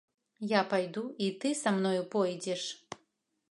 Я пайду, і ты са мною пойдзеш!